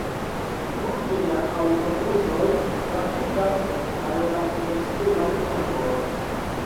Multe da aŭtobusoj trafikas al la proksimaj urboj.